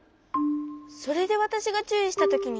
それでわたしがちゅういしたときに。